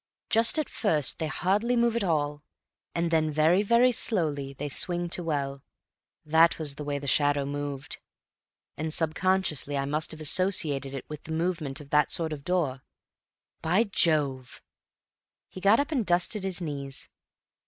Just at first they hardly move at all, and then very, very slowly they swing to— well, that was the way the shadow moved, and subconsciously I must have associated it with the movement of that sort of door. By Jove!" He got up, and dusted his knees.